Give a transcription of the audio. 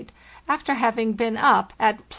after having been up at +12.